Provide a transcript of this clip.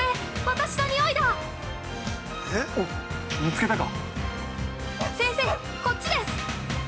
◆おっ、見つけたか！